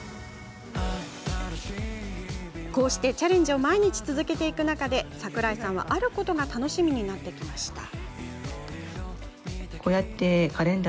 こうしてチャレンジを毎日続けていく中で櫻井さんは、あることが楽しみになってきました。